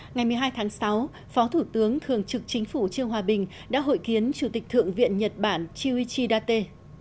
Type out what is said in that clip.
ngày một mươi hai tháng sáu phó thủ tướng thường trực chính phủ chiêu hòa bình đã hội kiến chủ tịch thượng viện nhật bản chiêu y chi đa tê